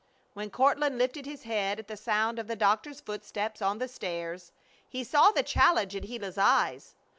When Courtland lifted his head at the sound of the doctor's footsteps on the stairs he saw the challenge in Gila's eyes.